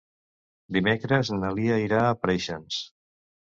Dimecres na Lia irà a Preixens.